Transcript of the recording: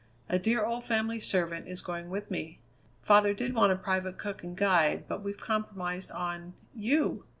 A dear old family servant is going with me. Father did want a private cook and guide, but we've compromised on you!